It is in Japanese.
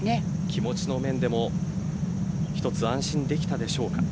気持ちの面でも一つ安心できたでしょうか。